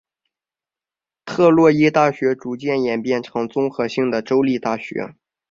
特洛伊大学逐渐演变成综合性的州立大学。